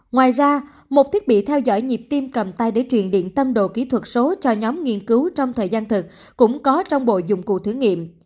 ngoài ra một thiết bị theo dõi nhịp tim cầm tay để truyền điện tâm đồ kỹ thuật số cho nhóm nghiên cứu trong thời gian thực cũng có trong bộ dụng cụ thử nghiệm